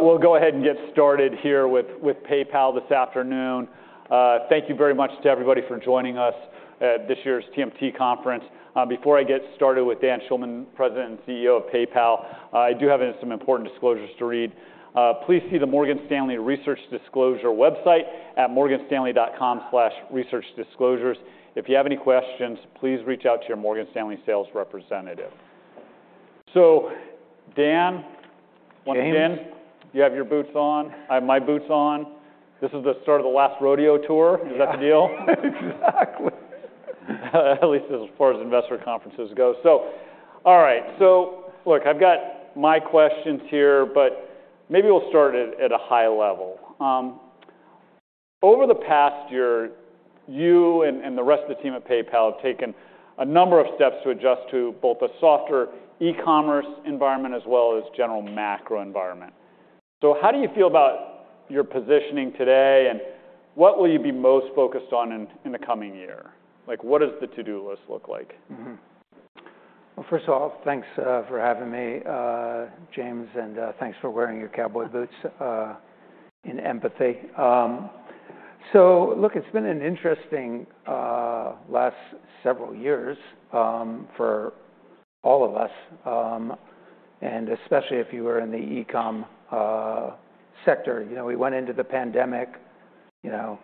We'll go ahead and get started here with PayPal this afternoon. Thank you very much to everybody for joining us at this year's TMT conference. Before I get started with Dan Schulman, President and CEO of PayPal, I do have some important disclosures to read. Please see the Morgan Stanley research disclosure website at morganstanley.com/researchdisclosures. If you have any questions, please reach out to your Morgan Stanley sales representative. So, Dan. James. Welcome in. You have your boots on. I have my boots on. This is the start of the last rodeo tour. Yeah. Is that the deal? Exactly. At least as far as investor conferences go. All right. Look, I've got my questions here, but maybe we'll start at a high level. Over the past year, you and the rest of the team at PayPal have taken a number of steps to adjust to both the softer e-commerce environment as well as general macro environment. How do you feel about your positioning today, and what will you be most focused on in the coming year? Like, what does the to-do list look like? First of all, thanks for having me, James, thanks for wearing your cowboy boots in empathy. Look, it's been an interesting last several years for all of us, especially if you were in the e-com sector. You know, we went into the pandemic, you know,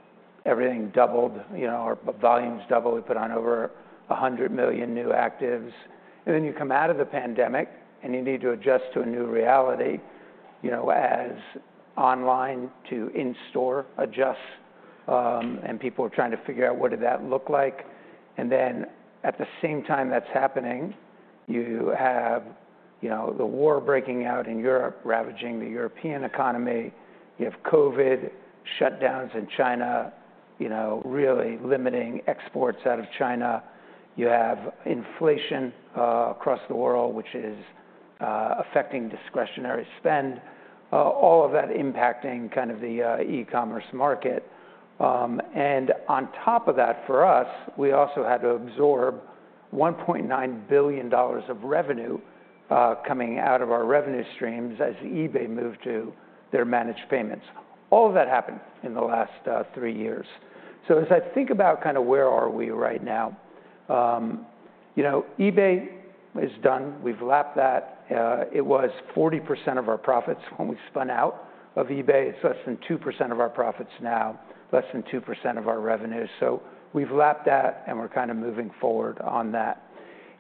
everything doubled. You know, our volumes doubled. We put on over 100 million new actives. You come out of the pandemic, you need to adjust to a new reality, you know, as online to in-store adjusts, people are trying to figure out what did that look like. At the same time that's happening, you have, you know, the war breaking out in Europe ravaging the European economy. You have COVID shutdowns in China, you know, really limiting exports out of China. You have inflation across the world, which is affecting discretionary spend. All of that impacting kind of the e-commerce market. On top of that for us, we also had to absorb $1.9 billion of revenue coming out of our revenue streams as eBay moved to their Managed Payments. All of that happened in the last three years. As I think about kind a where are we right now, you know, eBay is done. We've lapped that. It was 40% of our profits when we spun out of eBay. It's less than 2% of our profits now, less than 2% of our revenue. So, we've lapped that, and we're kind of moving forward on that.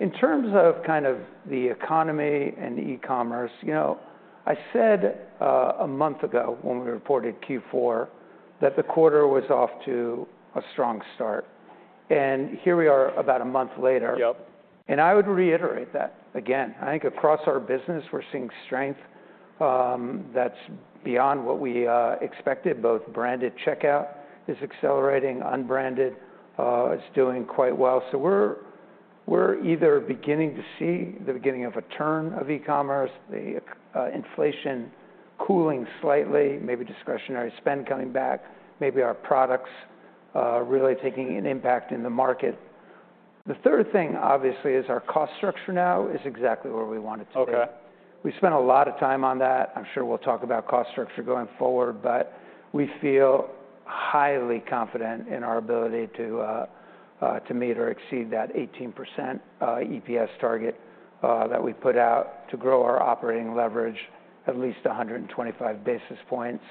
In terms of kind of the economy and e-commerce, you know, I said, a month ago when we reported Q4 that the quarter was off to a strong start. Here we are about a month later. Yep. I would reiterate that again. I think across our business, we're seeing strength, that's beyond what we expected. Both branded checkout is accelerating. Unbranded is doing quite well. We're either beginning to see the beginning of a turn of e-commerce, the inflation cooling slightly, maybe discretionary spend coming back, maybe our products really taking an impact in the market. The third thing, obviously, is our cost structure now is exactly where we want it to be. Okay. We spent a lot of time on that. I'm sure we'll talk about cost structure going forward, but we feel highly confident in our ability to meet or exceed that 18% EPS target that we put out to grow our operating leverage at least 125 basis points.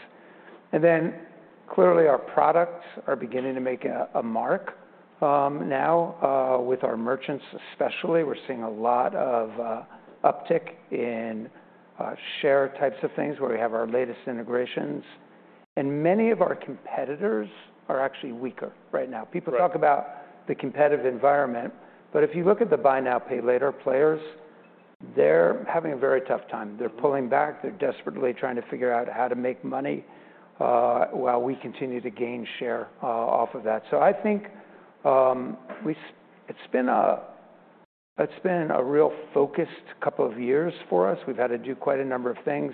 Clearly our products are beginning to make a mark now with our merchants especially. We're seeing a lot of uptick in share types of things where we have our latest integrations. Many of our competitors are actually weaker right now. Right. People talk about the competitive environment. If you look at the Buy Now, Pay Later players, they're having a very tough time. They're pulling back. They're desperately trying to figure out how to make money, while we continue to gain share off of that. I think, it's been a real focused couple of years for us. We've had to do quite a number of things.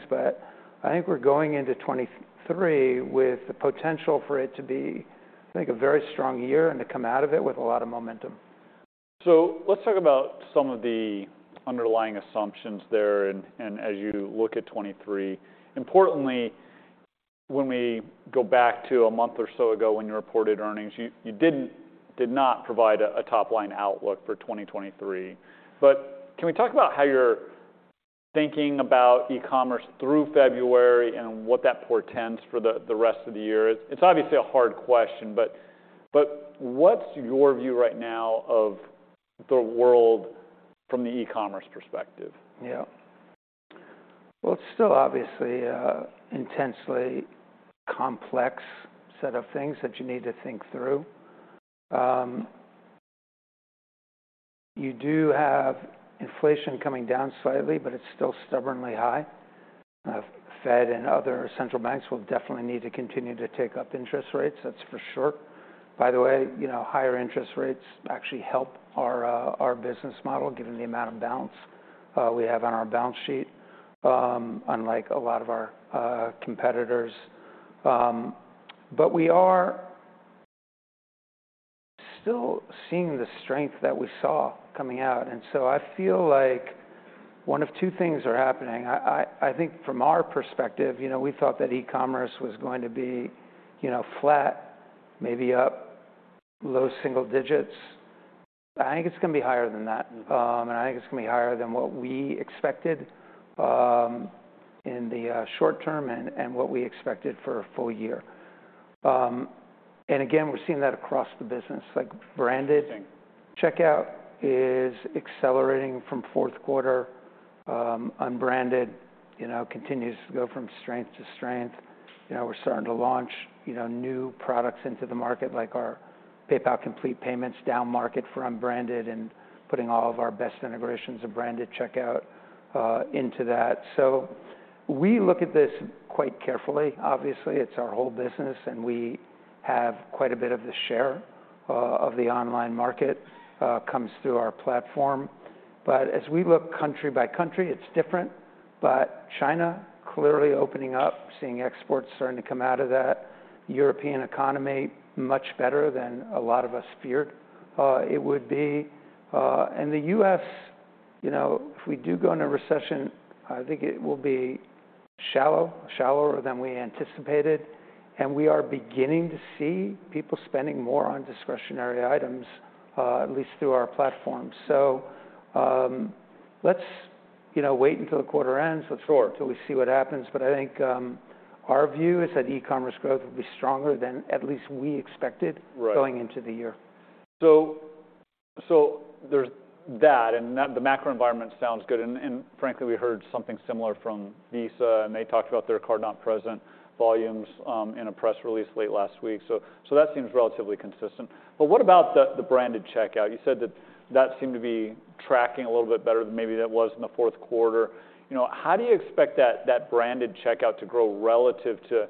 I think we're going into 2023 with the potential for it to be, I think, a very strong year and to come out of it with a lot of momentum. Let's talk about some of the underlying assumptions there and as you look at 2023. Importantly, when we go back to a month or so ago when you reported earnings, you did not provide a top-line outlook for 2023. Can we talk about how you're thinking about e-commerce through February and what that portends for the rest of the year? It's obviously a hard question, but what's your view right now of the world from the e-commerce perspective? Yeah. Well, it's still obviously an intensely complex set of things that you need to think through. You do have inflation coming down slightly, but it's still stubbornly high. Fed and other central banks will definitely need to continue to take up interest rates, that's for sure. By the way, you know, higher interest rates actually help our business model given the amount of balance we have on our balance sheet, unlike a lot of our competitors. But we are still seeing the strength that we saw coming out. I feel like one of two things are happening. I think from our perspective, you know, we thought that e-commerce was going to be, you know, flat, maybe up low single digits. I think it's gonna be higher than that. I think it's gonna be higher than what we expected, in the short term and what we expected for a full year. Again, we're seeing that across the business. Interesting checkout is accelerating from Q4. Unbranded, you know, continues to go from strength to strength. We're starting to launch, you know, new products into the market, like our PayPal Complete Payments down market for unbranded and putting all of our best integrations of branded checkout into that. We look at this quite carefully. Obviously, it's our whole business, and we have quite a bit of the share of the online market comes through our platform. As we look country by country, it's different. China clearly opening up, seeing exports starting to come out of that. European economy much better than a lot of us feared it would be. The U.S., you know, if we do go into recession, I think it will be shallow, shallower than we anticipated, and we are beginning to see people spending more on discretionary items, at least through our platform. Let's, you know, wait until the quarter ends. Sure let's wait till we see what happens. I think, our view is that e-commerce growth will be stronger than at least we expected. Right going into the year. There's that, and the macro environment sounds good. Frankly, we heard something similar from Visa, and they talked about their card not present volumes in a press release late last week. That seems relatively consistent. What about the branded checkout? You said that seemed to be tracking a little bit better than maybe that was in the Q4. You know, how do you expect that branded checkout to grow relative to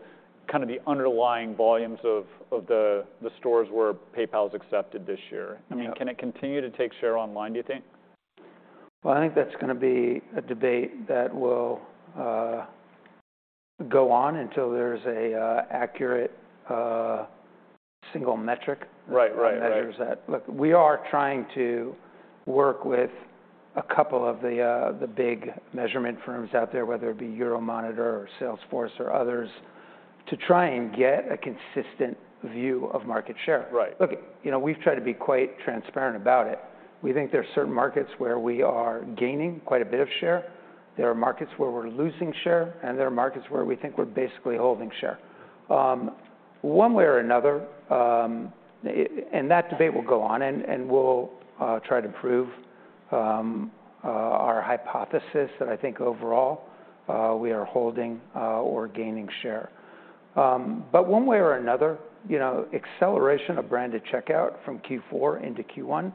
kind of the underlying volumes of the stores where PayPal is accepted this year? Yeah. I mean, can it continue to take share online, do you think? Well, I think that's gonna be a debate that will go on until there's a accurate single metric... Right. Right. that measures that. Look, we are trying to work with a couple of the big measurement firms out there, whether it be Euromonitor or Salesforce or others, to try and get a consistent view of market share. Right. Look, you know, we've tried to be quite transparent about it. We think there are certain markets where we are gaining quite a bit of share. There are markets where we're losing share, and there are markets where we think we're basically holding share. One way or another, that debate will go on and we'll try to prove our hypothesis that I think overall, we are holding or gaining share. One way or another, you know, acceleration of branded checkout from Q4 into Q1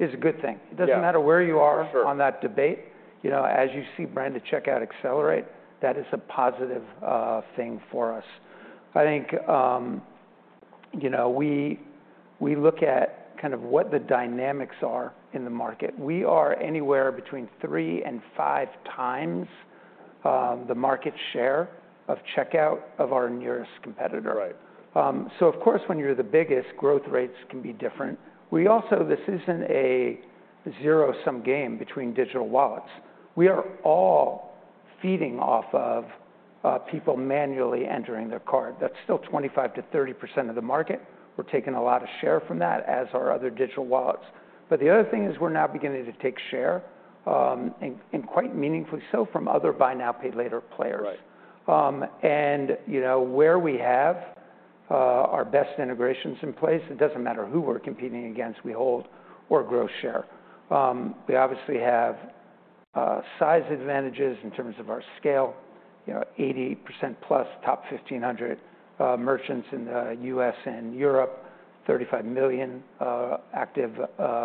is a good thing. Yeah. It doesn't matter where you are. For sure. on that debate. You know, as you see branded checkout accelerate, that is a positive thing for us. I think, you know, we look at kind of what the dynamics are in the market. We are anywhere between 3 and 5 times the market share of checkout of our nearest competitor. Right. Of course, when you're the biggest, growth rates can be different. This isn't a zero-sum game between digital wallets. We are all feeding off of people manually entering their card. That's still 25%-30% of the market. We're taking a lot of share from that, as are other digital wallets. The other thing is we're now beginning to take share, and quite meaningfully so from other Buy Now, Pay Later players. Right. You know, where we have our best integrations in place, it doesn't matter who we're competing against, we hold or grow share. We obviously have size advantages in terms of our scale. You know, 80%+ top 1,500 merchants in the U.S. and Europe, 35 million active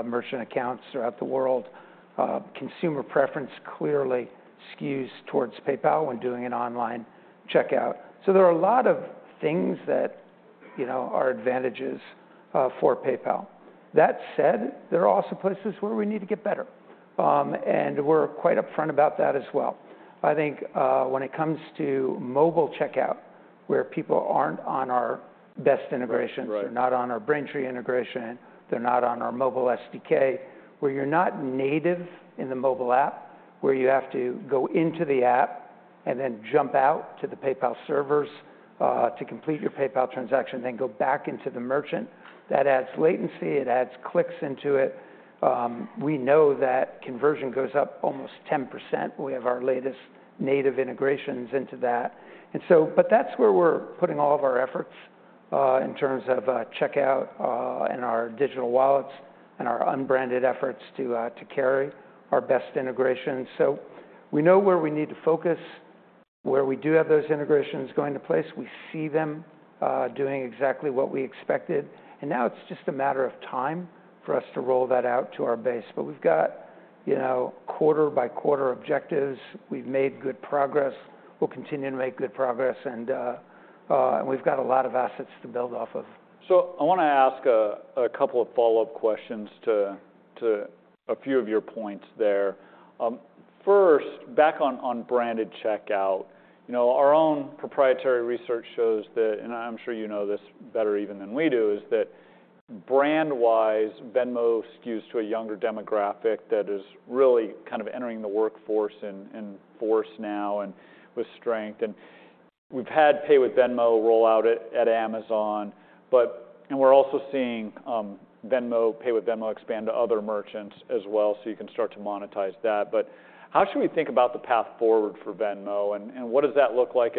merchant accounts throughout the world. Consumer preference clearly skews towards PayPal when doing an online checkout. There are a lot of things that, you know, are advantages for PayPal. That said, there are also places where we need to get better. We're quite upfront about that as well. I think when it comes to mobile checkout, where people aren't on our best integrations- Right. Right. they're not on our Braintree integration, they're not on our mobile SDK, where you're not native in the mobile app, where you have to go into the app and then jump out to the PayPal servers to complete your PayPal transaction, then go back into the merchant. That adds latency, it adds clicks into it. We know that conversion goes up almost 10%. We have our latest native integrations into that. That's where we're putting all of our efforts in terms of checkout and our digital wallets and our unbranded efforts to carry our best integration. We know where we need to focus, where we do have those integrations going to place. We see them doing exactly what we expected. Now it's just a matter of time for us to roll that out to our base. We've got, you know, quarter by quarter objectives. We've made good progress. We'll continue to make good progress, and we've got a lot of assets to build off of. I wanna ask a couple of follow-up questions to a few of your points there. First, back on branded checkout. You know, our own proprietary research shows that, and I'm sure you know this better even than we do, is that brand-wise, Venmo skews to a younger demographic that is really kind of entering the workforce in force now and with strength. We've had Pay with Venmo roll out at Amazon. We're also seeing Venmo, Pay with Venmo expand to other merchants as well, so you can start to monetize that. How should we think about the path forward for Venmo, and what does that look like?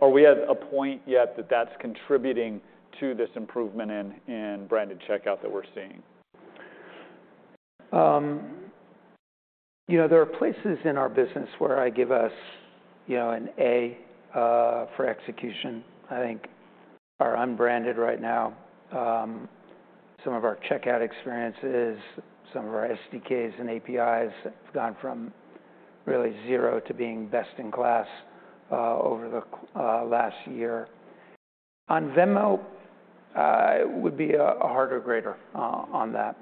Are we at a point yet that that's contributing to this improvement in branded checkout that we're seeing? You know, there are places in our business where I give us, you know, an A for execution, I think. Our unbranded right now, some of our checkout experiences, some of our SDKs and APIs have gone from really 0 to being best in class over the last year. On Venmo, it would be a harder grader on that.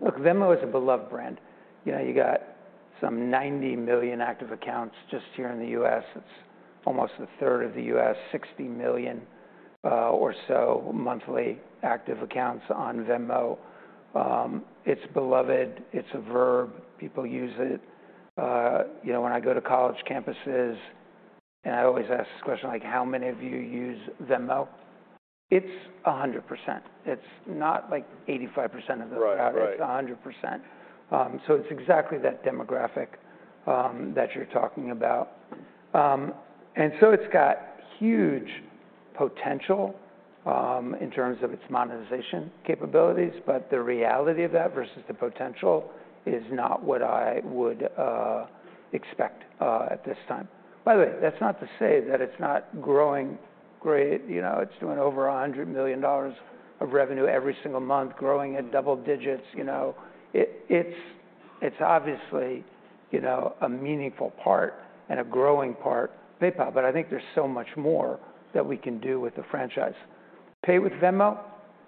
Look, Venmo is a beloved brand. You know, you got some 90 million active accounts just here in the U.S. It's almost a third of the U.S., 60 million or so monthly active accounts on Venmo. It's beloved. It's a verb. People use it. You know, when I go to college campuses and I always ask this question like, "How many of you use Venmo?" It's 100%. It's not like 85% of the crowd. Right. Right. It's 100%. It's exactly that demographic that you're talking about. It's got huge potential in terms of its monetization capabilities, the reality of that versus the potential is not what I would expect at this time. By the way, that's not to say that it's not growing great. You know, it's doing over $100 million of revenue every single month, growing at double digits. You know, it's obviously, you know, a meaningful part and a growing part of PayPal, I think there's so much more that we can do with the franchise. Pay with Venmo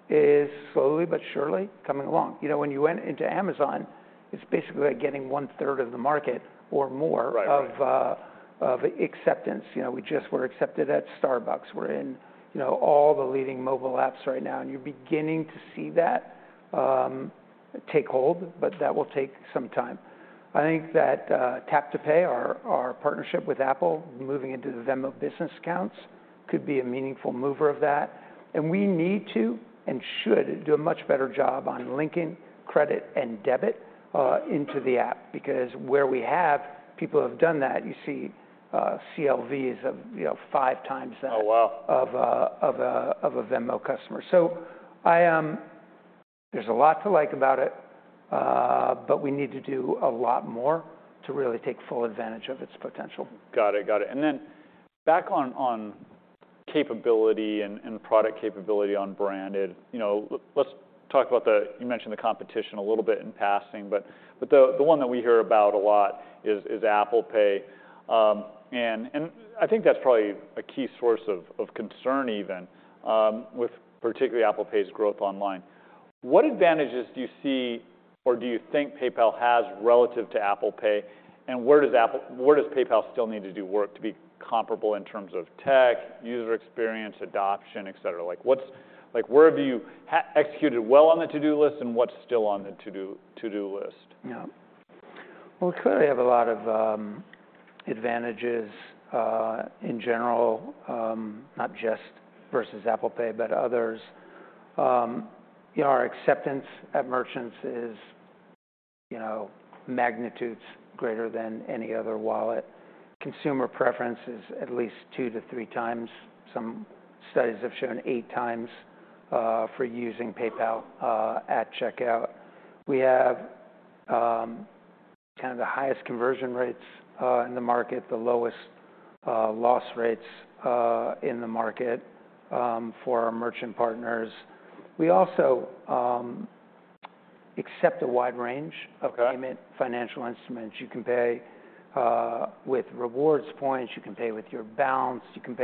is slowly but surely coming along. You know, when you went into Amazon, it's basically like getting 1/3 of the market or more. Right. Right. of acceptance. You know, we just were accepted at Starbucks. We're in, you know, all the leading mobile apps right now, and you're beginning to see that, take hold, but that will take some time. I think that, Tap to Pay, our partnership with Apple, moving into the Venmo business accounts could be a meaningful mover of that, and we need to and should do a much better job on linking credit and debit, into the app because where we have, people who have done that, you see, CLVs of, you know, five times that Oh, wow! of a Venmo customer. I, there's a lot to like about it, but we need to do a lot more to really take full advantage of its potential. Got it. Got it. Then back on capability and product capability on branded, you know, let's talk about the You mentioned the competition a little bit in passing, but the one that we hear about a lot is Apple Pay. I think that's probably a key source of concern even with particularly Apple Pay's growth online. What advantages do you see or do you think PayPal has relative to Apple Pay, and where does PayPal still need to do work to be comparable in terms of tech, user experience, adoption, et cetera? Where have you executed well on the to-do list, and what's still on the to-do list? Well, we clearly have a lot of advantages in general, not just versus Apple Pay, but others. You know, our acceptance at merchants is, you know, magnitudes greater than any other wallet. Consumer preference is at least two to three times. Some studies have shown eight times for using PayPal at checkout. We have kind of the highest conversion rates in the market, the lowest loss rates in the market for our merchant partners. We also accept a wide range. Okay of payment financial instruments. You can pay with rewards points. You can pay with your balance. You can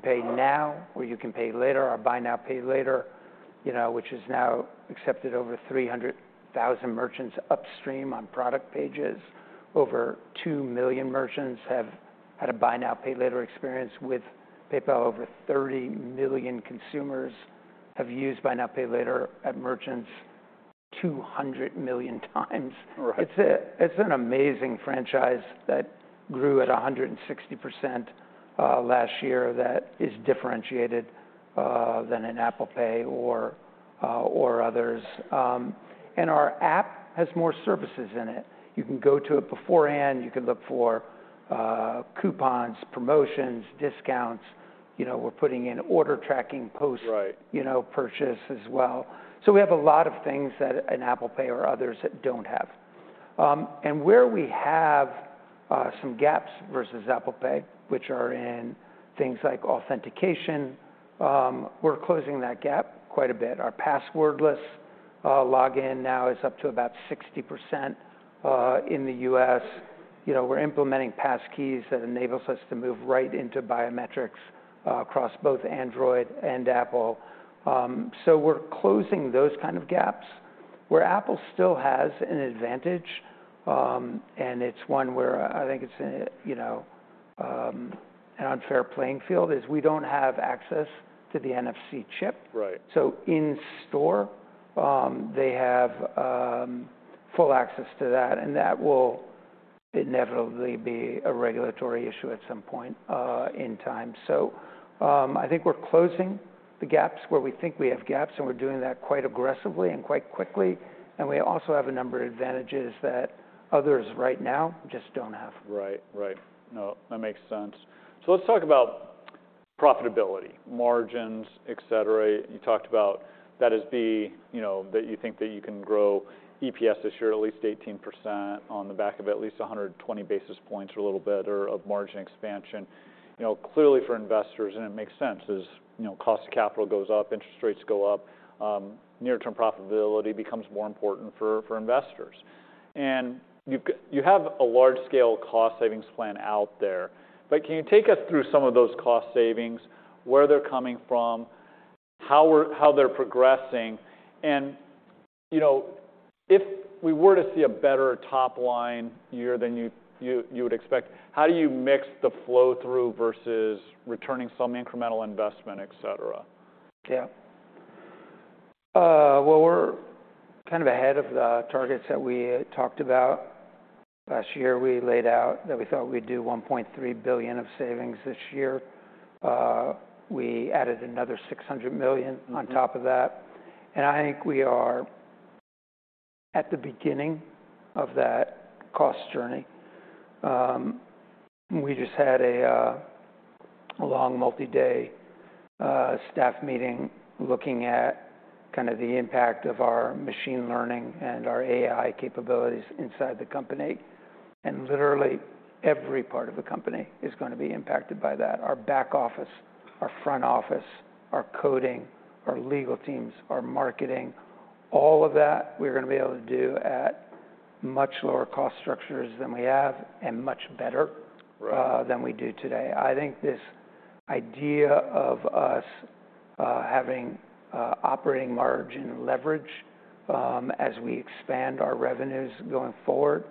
pay now or you can pay later. Our Buy Now, Pay Later, you know, which is now accepted over 300,000 merchants upstream on product pages. Over 2 million merchants have had a Buy Now, Pay Later experience with PayPal. Over 30 million consumers have used Buy Now, Pay Later at merchants 200 million times. Right. It's an amazing franchise that grew at 160% last year that is differentiated than an Apple Pay or others. Our app has more services in it. You can go to it beforehand, you can look for coupons, promotions, discounts. You know, we're putting in order tracking post Right you know, purchase as well. We have a lot of things that an Apple Pay or others don't have. Where we have some gaps versus Apple Pay, which are in things like authentication, we're closing that gap quite a bit. Our passwordless login now is up to about 60% in the U.S. You know, we're implementing passkeys that enables us to move right into biometrics across both Android and Apple. We're closing those kind of gaps. Where Apple still has an advantage, and it's one where I think it's in, you know, an unfair playing field, is we don't have access to the NFC chip. Right. In store, they have full access to that, and that will inevitably be a regulatory issue at some point in time. I think we're closing the gaps where we think we have gaps, and we're doing that quite aggressively and quite quickly. We also have a number of advantages that others right now just don't have. Right. Right. No, that makes sense. Let's talk about profitability, margins, et cetera. You talked about that as being, you know, that you think that you can grow EPS this year at least 18% on the back of at least 120 basis points or a little better of margin expansion. You know, clearly for investors, and it makes sense, as, you know, cost of capital goes up, interest rates go up, near term profitability becomes more important for investors. You have a large-scale cost savings plan out there. Can you take us through some of those cost savings, where they're coming from, how they're progressing? you know, if we were to see a better top line year than you would expect, how do you mix the flow through versus returning some incremental investment, et cetera? Well, we're kind of ahead of the targets that we talked about. Last year, we laid out that we thought we'd do $1.3 billion of savings this year. We added another $600 million on top of that. I think we are at the beginning of that cost journey. We just had a long multi-day staff meeting, looking at kind of the impact of our machine learning and our AI capabilities inside the company. Literally every part of the company is gonna be impacted by that. Our back office, our front office, our coding, our legal teams, our marketing, all of that we're gonna be able to do at much lower cost structures than we have and much better. Right than we do today. I think this idea of us having operating margin and leverage as we expand our revenues going forward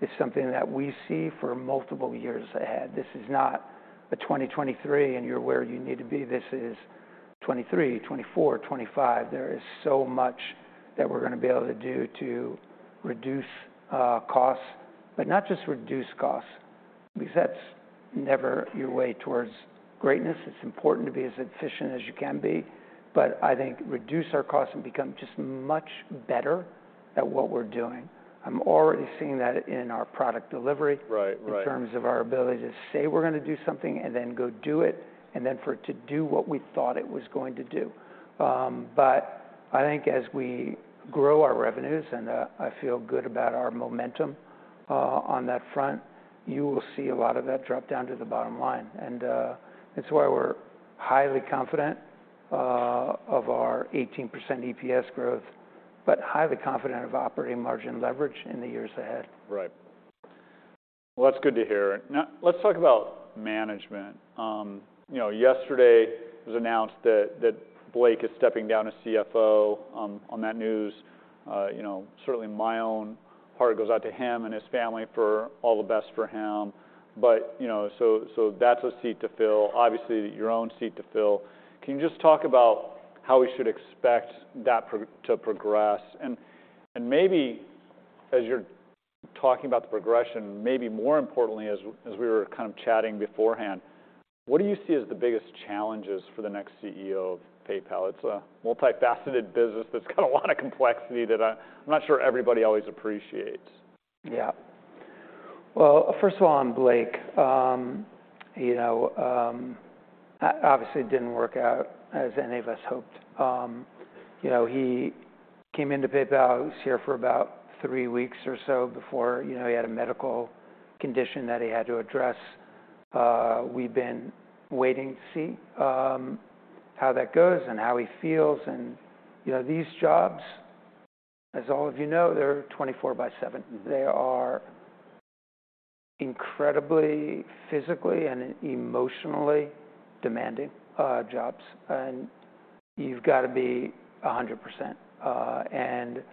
is something that we see for multiple years ahead. This is not a 2023, and you're where you need to be. This is 2023, 2024, 2025. There is so much that we're gonna be able to do to reduce costs. Not just reduce costs, because that's never your way towards greatness. It's important to be as efficient as you can be. I think reduce our costs and become just much better at what we're doing. I'm already seeing that in our product delivery. Right. Right. in terms of our ability to say we're gonna do something and then go do it, and then for it to do what we thought it was going to do. I think as we grow our revenues, I feel good about our momentum on that front, you will see a lot of that drop down to the bottom line. That's why we're highly confident of our 18% EPS growth, but highly confident of operating margin leverage in the years ahead. Right. Well, that's good to hear. Let's talk about management. You know, yesterday it was announced that Blake is stepping down as CFO. On that news, you know, certainly my own heart goes out to him and his family for all the best for him. You know, so that's a seat to fill. Obviously, your own seat to fill. Can you just talk about how we should expect that to progress? Maybe as you're talking about the progression, maybe more importantly, as we were kind of chatting beforehand, what do you see as the biggest challenges for the next CEO of PayPal? It's a multifaceted business that's got a lot of complexity that I'm not sure everybody always appreciates. Yeah. Well, first of all, on Blake, you know, obviously it didn't work out as any of us hoped. You know, he came into PayPal, he was here for about three weeks or so before, you know, he had a medical condition that he had to address. We've been waiting to see how that goes and how he feels. You know, these jobs, as all of you know, they're 24 by 7. They are incredibly physically and emotionally demanding jobs. You've got to be a 100%.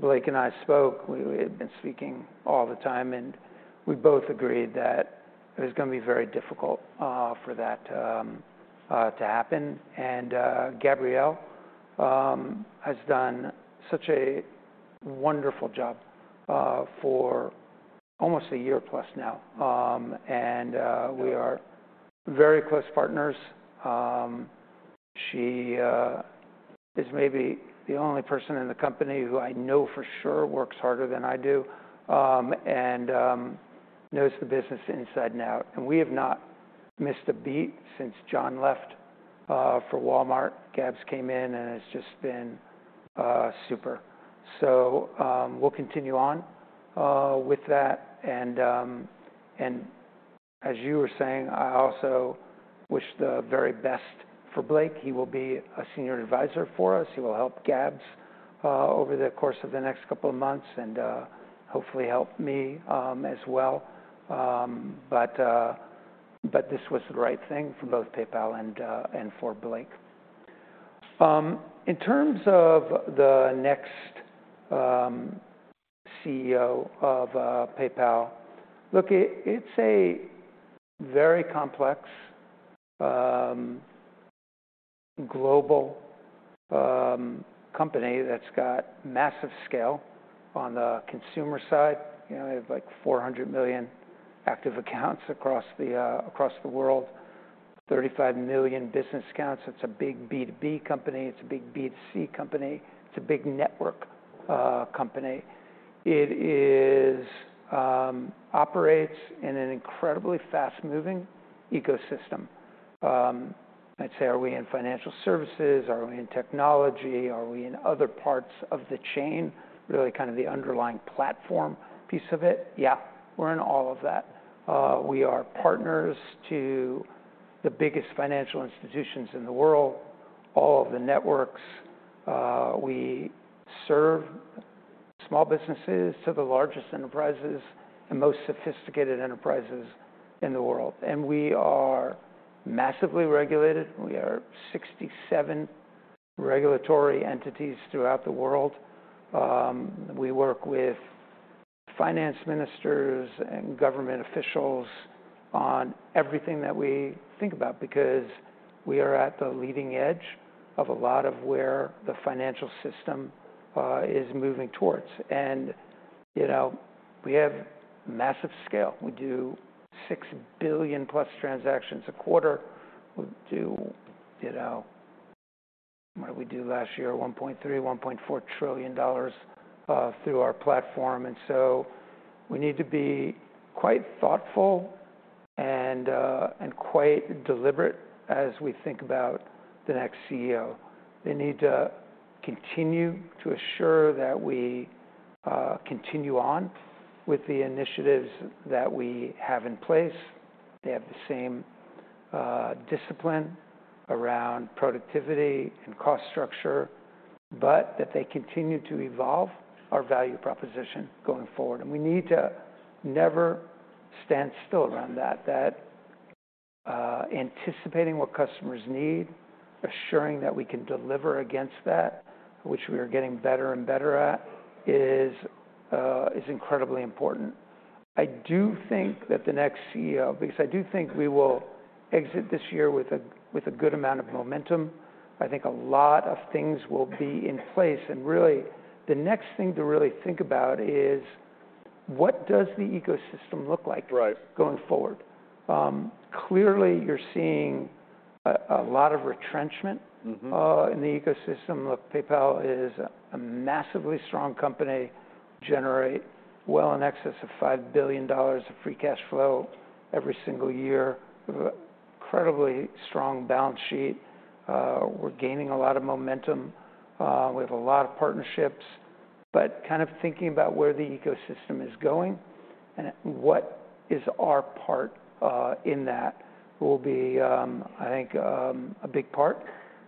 Blake and I spoke. We had been speaking all the time, and we both agreed that it was gonna be very difficult for that to happen. Gabrielle has done such a wonderful job for almost a year plus now. We are very close partners. She is maybe the only person in the company who I know for sure works harder than I do and knows the business inside and out. We have not missed a beat since John left for Walmart. Gabs came in, and it's just been super. We'll continue on with that. As you were saying, I also wish the very best for Blake. He will be a senior advisor for us. He will help Gabs over the course of the next couple of months and hopefully help me as well. This was the right thing for both PayPal and for Blake. In terms of the next CEO of PayPal, look, it's a very complex, global company that's got massive scale on the consumer side. You know, we have like 400 million active accounts across the world, 35 million business accounts. It's a big B2B company. It's a big B2C company. It's a big network company. It operates in an incredibly fast-moving ecosystem. I'd say are we in financial services? Are we in technology? Are we in other parts of the chain? Really kind of the underlying platform piece of it. Yeah. We're in all of that. We are partners to the biggest financial institutions in the world, all of the networks, we serve small businesses to the largest enterprises and most sophisticated enterprises in the world, and we are massively regulated, and we are 67 regulatory entities throughout the world. We work with finance ministers and government officials on everything that we think about because we are at the leading edge of a lot of where the financial system is moving towards. You know, we have massive scale. We do 6 billion+ transactions a quarter. We do, you know, what did we do last year? $1.3 to 1.4 trillion through our platform. We need to be quite thoughtful and quite deliberate as we think about the next CEO. They need to continue to assure that we continue on with the initiatives that we have in place. They have the same discipline around productivity and cost structure, but that they continue to evolve our value proposition going forward. We need to never stand still around that anticipating what customers need, assuring that we can deliver against that, which we are getting better and better at is incredibly important. I do think that the next CEO, because I do think we will exit this year with a good amount of momentum. I think a lot of things will be in place, and really, the next thing to really think about is what does the ecosystem look like. Right going forward. Clearly, you're seeing a lot of retrenchment. in the ecosystem. Look, PayPal is a massively strong company, generate well in excess of $5 billion of free cash flow every single year. We have a incredibly strong balance sheet. We're gaining a lot of momentum. We have a lot of partnerships, kind of thinking about where the ecosystem is going and what is our part in that will be, I think, a big part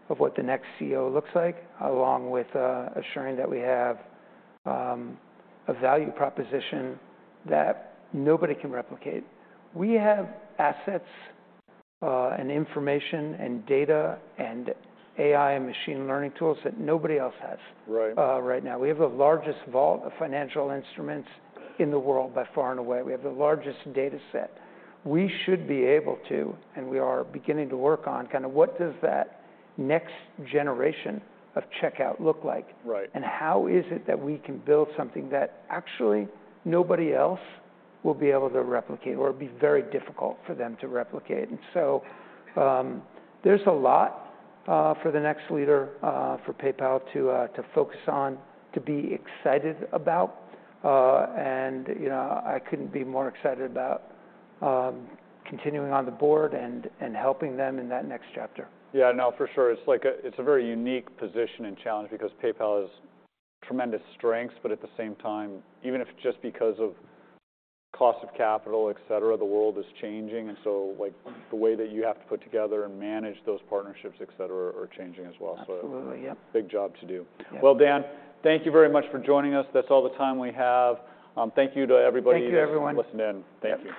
of what the next CEO looks like, along with assuring that we have a value proposition that nobody can replicate. We have assets, and information and data and AI and machine learning tools that nobody else has. Right right now. We have the largest vault of financial instruments in the world by far and away. We have the largest data set. We should be able to, and we are beginning to work on kind of what does that next generation of checkout look like. Right and how is it that we can build something that actually nobody else will be able to replicate or be very difficult for them to replicate. So, there's a lot for the next leader for PayPal to focus on, to be excited about. You know, I couldn't be more excited about continuing on the board and helping them in that next chapter. Yeah, no, for sure. It's like a very unique position and challenge because PayPal has tremendous strengths, but at the same time, even if just because of cost of capital, et cetera, the world is changing. Like, the way that you have to put together and manage those partnerships, et cetera, are changing as well. Absolutely. Yep. A big job to do. Yep. Well, Dan, thank you very much for joining us. That's all the time we have. Thank you to everybody. Thank you, everyone. listening in. Thank you.